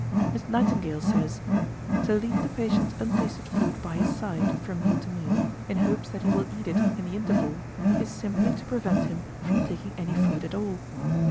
Miss Nightingale says, "To leave the patient's untasted food by his side, from meal to meal, in hopes that he will eat it in the interval, is simply to prevent him from taking any food at all."